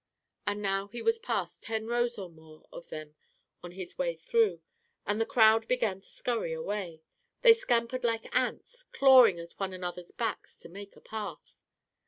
And now he was past ten rows or more of them on his way through, and the crowd began to scurry away. They scampered like ants, clawing at one another's backs to make a path.